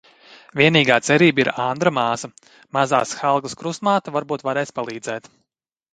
Vienīgā cerība ir Andra māsa, mazās Helgas krustmāte, varbūt varēs palīdzēt?